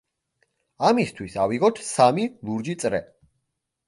ამისთვის ავიღოთ სამი ლურჯი წრე.